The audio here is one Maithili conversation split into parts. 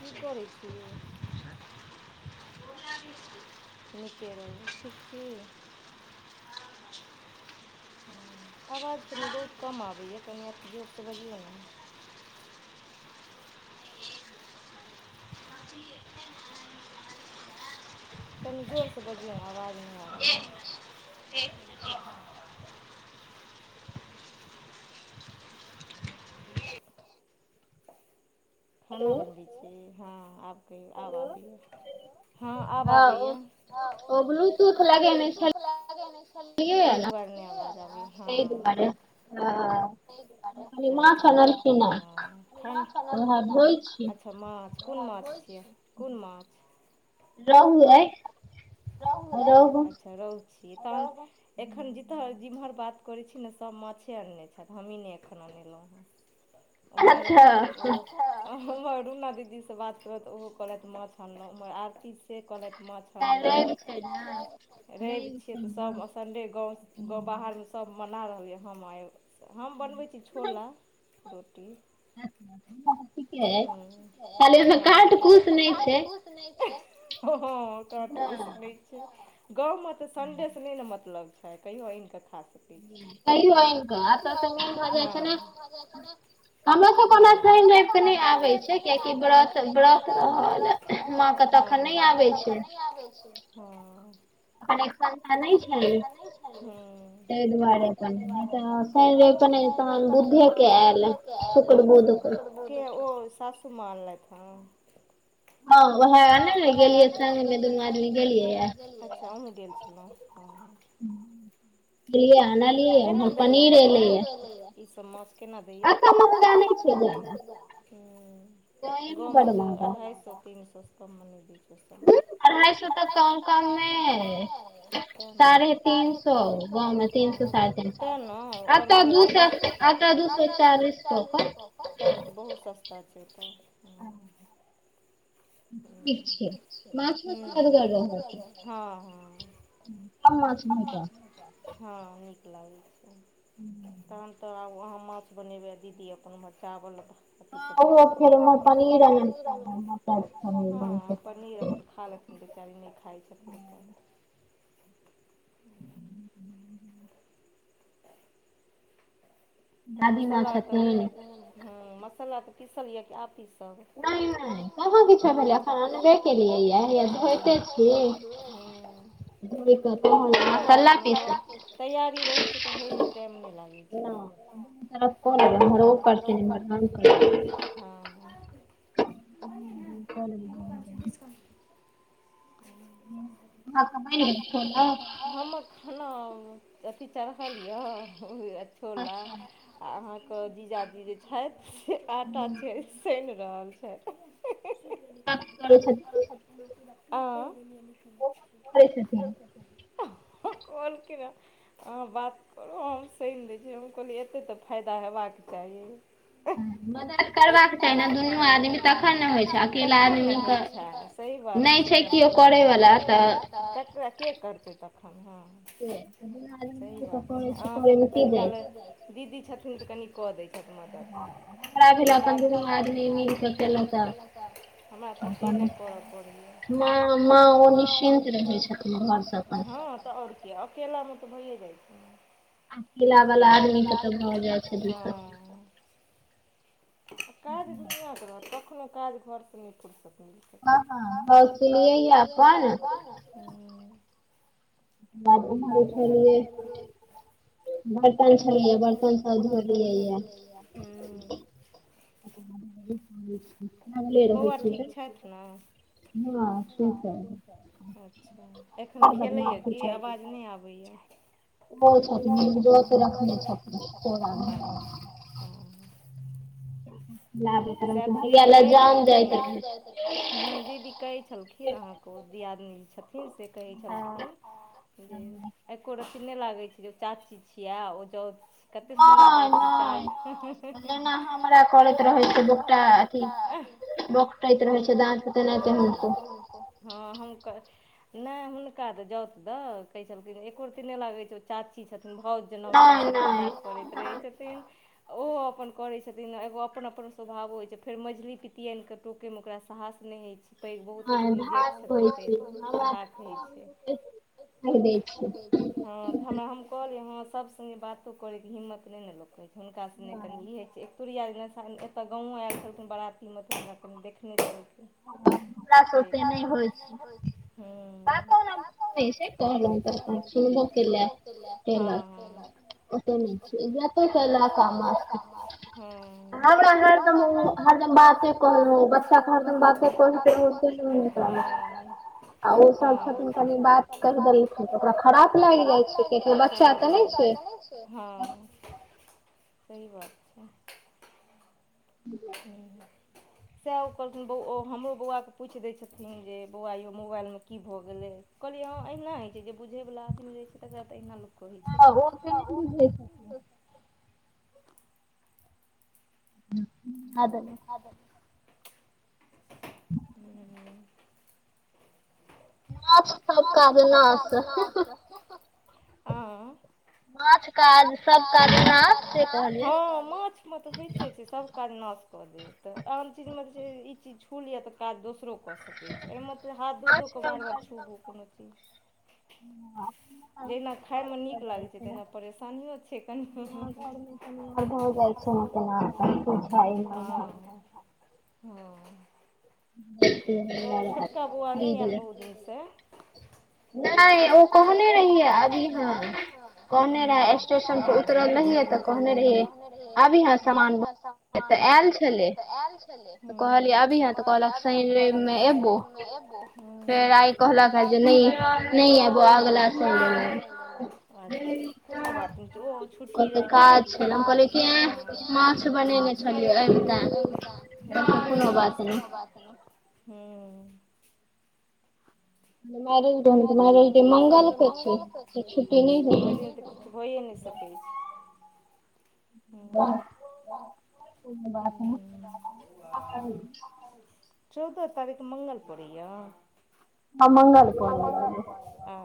की करै छि नीके रहू ठीक छी हऽ आवाज कनि बहुत कम आबैए कनि अ जोरसँ बजियौ न [inaudible] कनी जोरसँ बजियौ न आवाज नै आबैए [unintelligible] खाना बनबै छियै हँ आब कहियौ आब आबियौ हँ आब आबे य [unintelligible] ब्लूटूथ लगैने तैय दुआरे नै आवाज आबै हँ [inaudible] [unintelligible] [unintelligible] अच्छ माछ कोन माछ छै कोन माछ रहु हैय रहु यऽ अच्छा रहु छी तऽ एखन जितहर जिम्हर बात करैत छी न सभ माछे अनने छैथ हमही नै एखन अनेलौ है ओम्हर [unintelligible] [unintelligible] रुना दीदीसँ बात करब त ओहो कहलैथ माछ आनलौ ओम्हर आरती से कहलैथ माछ तऽ आइ रैब छियै तऽ आए रैब छियै तऽ सभ अ सडे ग बाहरमे सब मना रहलय हम आइ हम बनबै छी छोला रोटी [unintelligible] हु ठीके ऐ [unintelligible] ताले कांट कुस नै [unintelligible] कांट कुस नै छै गाँव म तऽ संडे स नै न मतलब छै कहियो आइन कऽ खा सकै छी कहियो आइन कहियों आइन कऽ ऐत तऽ मैन भऽ जाए छै न [inaudible] हँ हमरे सब कऽ औना शैन रैब कऽ नै आबे छै किया की व्रत व्रत [unintelligible] माँ कऽ तऽ अखन नै आबै छै [unintelligible] अखैन एक संझा नै छलै तैय दुआरे अपन नै तऽ ह शैन रैव केँ नै तहन बुधे कऽ ऐल अच्छ केँ ओ सासू माँ आनलैथ है हँ ओहै ओहै आनै न गेलियन संग में दुनु आदमी गेलिए अच्छा अहुँ गेल छलौ ह [inaudible] गेलिय आनलियै ओमहर पनीर एले यऽ ई सब माछ केना दै यऽ ऐत महंगा नै छै ज्यदा हु गाँव म तऽ अढ़ाइ सौ तीन सौ स कम नै दै छै उ सब माछ अढ़ाइ सए तऽ कम कममे साढ़े तीन [inaudible] तीन आओर सौ आटा दू सए चालीस [inaudible] तहन तऽ बहुत सस्ता छै तऽ ठीक छै हुँ हँ हँ हँ नीक लागै छै हूँ तहन तऽ आब अहाँ माछ बनेबै आ दीदी अपन उम्हर चावल टा हँ पनीर अपन खा लेथिन बेचारी उ नय खाइ छथिन तऽ [inaudible] तऽ मसाला तऽ हुँ मसाला तऽ पीसल ये की आब पीसब अच्छा हुँ। कोनो बात नय हुँ तैयारी रहै छै तऽ होयमे टाइम नय लागै छै। [unintelligible] खा लेली [inaudible] हमर खेलौं अथी चढ़ेलियौ अ छोला आ अहाँके जीजाजी जे छथि से आँटा छै सानि रहल छथि। अँ [inaudible] कहलखिन हेँ अहाँ बात करू हम सानि दै छी हम कहलियै एत एते तऽ फायदा हेबाक चाही करबाक चाही ने दुनू आदमी तखन ने होइ छै सही बात छै नय छै कियो करै बला ककरा के करतै तखन हँ सही बात छै अहाँके तऽ कनिकाला दीदी छथिन तऽ कनी कऽ दै छथि मदद [unintelligible] हमरा तऽ अकेले करऽ पड़ैए माँ ओ निश्चिन्त रहै छथिन हँ तऽ आओर की अकेलामे तऽ भैये जाइ छै अकेला वला आदमी के तऽ भऽ जाइ छै दिक्कत काज दुनियाँके रहत कखनो काज घरसँ नय फुर्सत। हुँ [inaudible] बादमे उठलियै बर्तन छलैये बर्तन सब जे धोलियैये हुँ [inaudible] बौआ ठीक छथि न। अच्छा एखन खेलैये की आवाज नय आबैये। अच्छा। ओ सैह तऽ दीदी कहै छेलखिन हुॅ दीदी कहै। छलखिन अहाँके ओ दियादनी छथिन से कहै छलखिन जे एको रति नय लागै छै जे ओ चाची छियै आ ओ जाउत कते सुन्दर बात विचार हुॅ-हुॅ-हुॅ तहिना हमरा करैत रहै छै दोकटा। हँ हम कह नय हुनका तऽ जौत दऽ कहै छलखिन एको रती नय लागै छै ओ चाची छथिन भाउज। जेना हुनका संगे मजाक करैत रहै छथिन। ओहो अप्पन करैत छथिन एगो अप्पन अप्पन स्वभावो होइत छै। फेर मझली पितियैन के टोकै मे ओकरा साहस नहि होइत छै। पैघ बहुत। तऽ छथिन जे सभ हाथे छै। हँ तऽ हमरा हम कहलियै हँ सभ सगे बातो करैके हिम्मत नहि ने लोक कहै छै हुनका सने कनि हिये छै। तुरिया जे तहन गावो आयल छलखिन बरातीमे तऽ हमरा कनि देखने छलखिन। पकइर के हु बातो सभ हा हा ओ तऽ छै तऽ काम हु--हमरा हैत हरदम बात कहलो बच्चा अपन प्रयास हा हा ओ साउस छथुन कनि बात करथुन। इ तऽ निक छै ओकरा खराप लागि रहल छै रौ बच्चा त ह सही बात छै ह। हू। चौफ कहलखिन ओ बौ हमरो बौआकेपूछि दै छथिन जे बौआ यौ मोबाइल मे कि भऽ गेलै कहलियै हँ अहिना होइत छै जे बुझय वाला आदमी रहै छै तकरा तऽ अहिना लोक आ ओ तऽ नहि बुझैत छथिन आब। ह ह ह नायब सभ सभटा काज नाश हु हू आ माछ। माछ काज सभ काज नास हु माछ माछ तऽ होइते छै सभ काज नाश कऽ देत आन चीजमे जे ई चीज छू लिय तऽ काज दोसरो। कऽ सकैत छी एहिमे तऽ हाथ धोक कऽ बार बार छूबू कोनो चीज। ह ह जहिना खायमे नीक लागैत छै तहिना परेशानि ओ छै कनि हु हु। आ जाइ छै अपना ह ओ छोटका बौआ नहि आयल बहुत दिन से। नहि ओ कहने रहियै अभिहा कहने रहै स्टेशन पर उत उतरल नहिये तऽ कहने रहिये अबिहै सामान तऽ आयल छले। तऽ कहलीय तऽ अभिहै तऽ कहलिय आबी है तऽ कहलक सइन रइब मे एबो फेर आ कहलक कै नयै ऐयत नयै आबो अगला सइन कऽ अछै कुनो बात नहि छै ओछ छुी छल मछ बने छल ह बात हैं मारल मारल मलके छैच्छा ओहि दिन तऽ होइए नहि सकै छै व [unintelligible] कोनो बात चौदह तारीख मडपूरो ह मगल ह मंगल अच्छा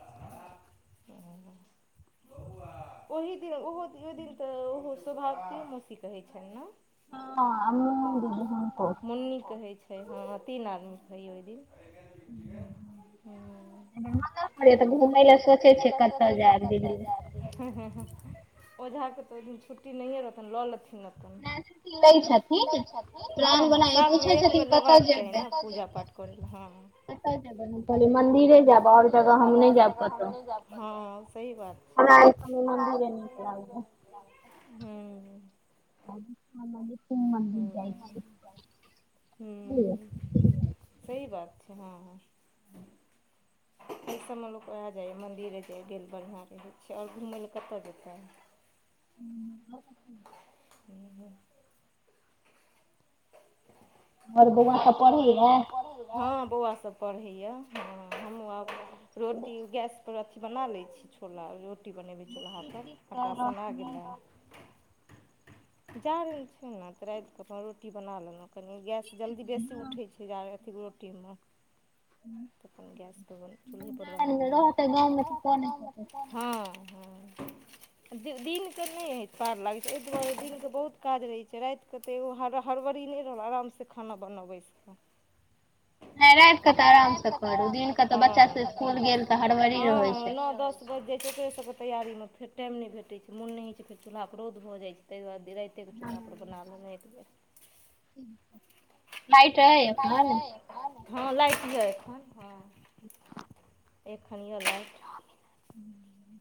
[unintelligible] ओ ओहि दिन ओहो ओहि दिन तऽ ओहो सोभाव के मौसी कहै छनि न [unintelligible] मुन्नी कहै छै ह तीन आदमी छै ओई दिन तऽ घुमय लए सोचै छिय कतय जायब दिल्ली हूं हूं हूं ओझा के तऽ ओई दिन छुट्टी नहिए रहथिन लऽ लेथिन अपन हूं हूं साल मे एक बेर लेबाक चाही न पूजा पाठ करय लेल हँ [unintelligible] मन्दिरे जेऽब आओर क आओर जगह हम नय जायब हं सही बात छै [unintelligible] हूं [unintelligible] हूं हूं सही बात छै हँ ई सभ मे लोक उएह जाइय मन्दिरे गेल बढ़िआँ रहै छै आओर घुमय लए कतय जेतै ह ब [unintelligible] आर गुवां आर बौआ सब पढ़ैया हँ बौआ सब पढ़ैया हँ हमूँ आब रोटी गैसपर अथी बना लै छी छोला रोटी रोटी बनेबै चूल्हा पर आंटा सना गेलै जा रहल छै न तऽ राति केँ अपन रोटी बना लेलहुँ कनि गैस जल्दी बेसी उठै छै [unintelligible] अथी रोटी मे तऽ अपन गैस पर चूल्हे पर बना लेलौं [unintelligible] हँ हँ दिन क नय होय पार लागै छै एहि दुआरे दिनके बहुत काज रहै छै राति क नय ओ हर हरबरी नय रहल आराम स खाना बनाउ बैस क राइत कऽ तऽ आराम सँ हं हं बच्चा सब न दस सु बजि जाइ छै तैयारी मे फेर टाइम नय भेटै छै मुन नै होय छै फेर चुल्हा रौद भऽ जाइ छैहि तै दुआरे राति कतेक चूल्हापर बनाेनाि गेल [unintelligible] ठीक फाय चै हम भोलै छियै फोन हूॅं एखन हँ एखन यए लाइट हूँ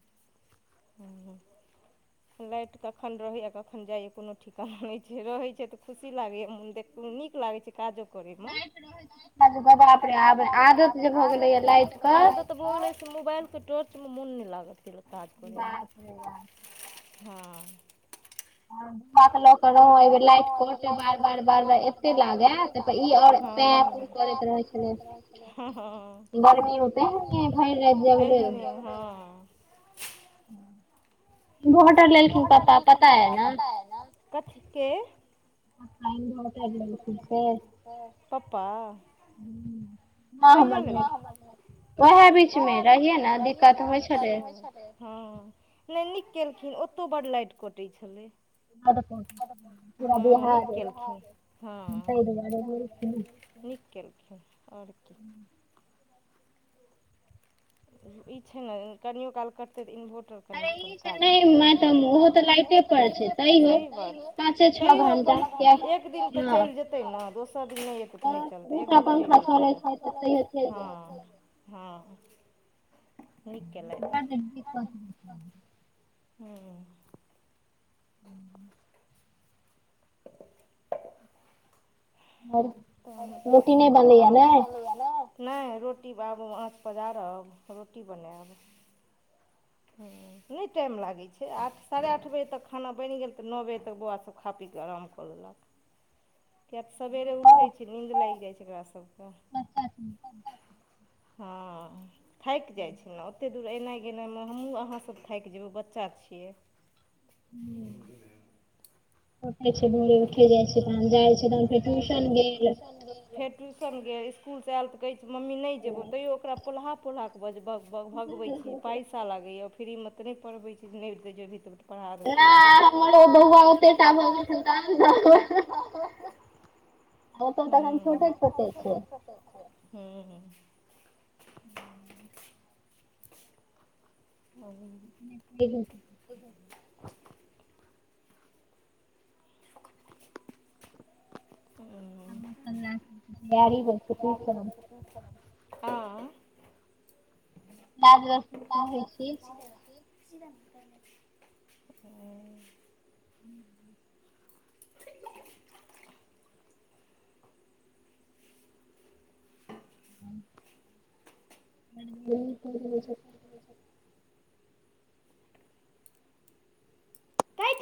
[inaudible] [inaudible] हू लाइट कखन रहैए कखन जाइय कोनो ठिकाना नहि छै रहै छै तऽ खुशी लागैये मन देख नीक लागै छै काजो करैय मे रहै छै आजु बजाप रे आप आदत जे भऽ गेलैये लाइट के तऽ बोआरेसे मोबाइलके टॉर्च मे मोन नहि लागत किनौ काज करैमे हँ अनलाॅक कगऽ लाइट कटे बार बार बार बार एते लागे कंपनी और हँ [unintelligible] [unintelligible] हीरो हाॅन्डा लेलखिन पप्पा पता अय ने खम ब लगै फ से [unintelligible] [unintelligible] हॅं पापा हू [inaudible] [inaudible] कहिया लेलखिन ओएह बीच मे रहियै ने दिक्कत होय छल हँ नहि नीक केलखिन ओतौ बड्ड लाइट कटै छलै आदा को हँ नीक केलखिन हँ नीक केलखिन ओर की ई छै ने कनियो काल कटतै तऽ इन्वर्टर काज [inaudible] तयो ओए प एक दिन तऽ चइल जेतै तै ने दोसर दिन नय अतै तऽ नय चलतै एक दिन चलि जेतै हँ हँ नीक केलेथ हूँ [inaudible] अर रोटी नय बनै य ने नय रोटी बाद म आबूआँच पजारब रोटी बनायब हँ नय टाइम लागै छै आठ साढ़े आठ बजे तक खाना बनि गेल तऽ नओ बजे तक बौआ सब खा पीकेऽ आराम कऽ लेलक किए तऽ सबेरे उठै छै नींन्द लाइग जाइ छै एकरा सबके हँ थाइक जाइ छै ने ओतेक दूर एनाइ गेनाइमे हमहूँ अहाँसभ थाइक जेबै बच्चा छियै ह [inaudible] उठै छैर उठे जाइ छै तहन जाइ छै तहन फेर ट्यूशन गेल फेर ट्यूशन गेल इसकुलसँ आएल तऽ कहै छै मम्मी नय जेबौ तैयोकरा पलहा पोलहाकऽ बजबौ भगबै छी जे पैसा लागेया फ्री मे तऽ नहि पढ़बे छी जे नय जो भी [inaudible] [inaudible] [inaudible] [inaudible] [inaudible] [inaudible] [inaudible] हँ [inaudible] [inaudible] [inaudible] [inaudible] [inaudible] [inaudible] [inaudible]